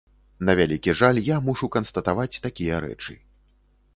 На вялікі жаль, я мушу канстатаваць такія рэчы.